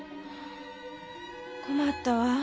困ったわ。